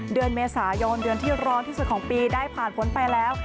เดือนเมษายนเดือนที่ร้อนที่สุดของปีได้ผ่านผลไปแล้ว